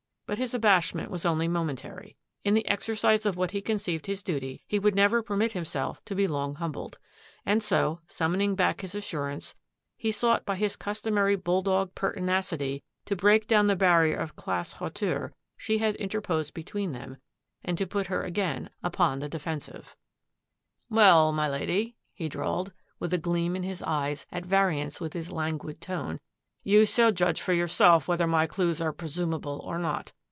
But his abashment was only momentary; in the exercise of what he conceived his duty he would never permit himself to be long humbled, and so, summoning back his as surance, he sought by his customary bull dog per tinacity to break down the barrier of class hauteur she had interposed between them and to put her again upon the defensive. lOa THAT AFFAIR AT THE MANOR " Well, my Lady," he drawled, with a gleam in his eyes at variance with his languid tone, " you shall judge for yourself whether my clues are pre sumable or not.